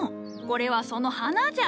これはその花じゃ。